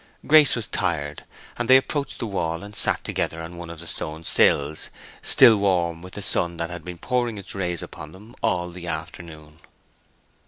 Grace was tired, and they approached the wall, and sat together on one of the stone sills—still warm with the sun that had been pouring its rays upon them all the afternoon.